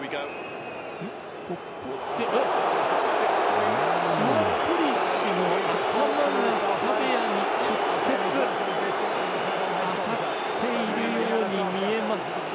ここでシヤ・コリシの頭がサベアに直接当たっているように見えますが。